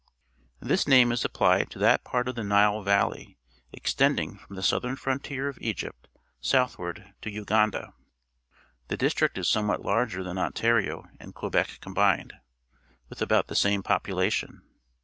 The This name is applied to that part of the Nile valley extending from the southern frontier of Egypt southward to Uganda. The dis trict is somewhat larger than Ontario and Quebec combined, with about the same pop ulation.